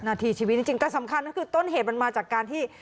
นาทีชีวิตจริงแต่สำคัญก็คือต้นเหตุมันมาจากการที่